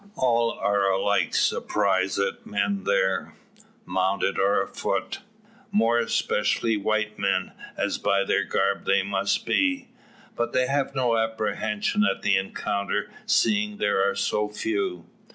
All are alike surprised at men there, mounted or afoot; more especially white men, as by their garb they must be. But they have no apprehension at the encounter, seeing there are so few.